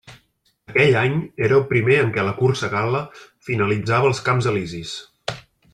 Aquell any era el primer en què la cursa gal·la finalitzava als Camps Elisis.